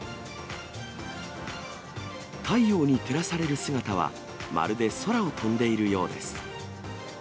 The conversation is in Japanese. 太陽に照らされる姿は、まるで空を飛んでいるようです。